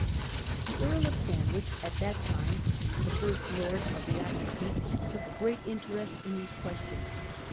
" The Earl of Sandwich, at that time the First Lord of the Admiralty, took a great interest in these questions.